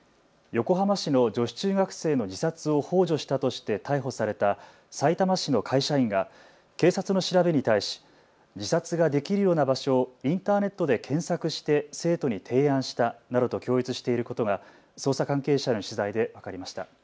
横浜市の女子中学生の自殺をほう助したとして逮捕されたさいたま市の会社員が警察の調べに対し自殺ができるような場所をインターネットで検索して生徒に提案したなどと供述していることが捜査関係者への取材で分かりました。